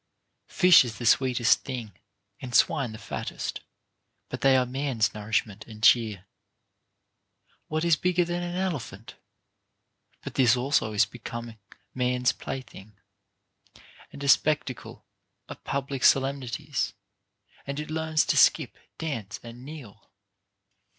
Fish is the sweetest thing, and swine the fattest ; but they are man's nourishment and cheer. What is bigger than an elephant 1 But this also is become man's plaything, and a spectacle at public solemnities, and it learns to skip, dance, and kneel.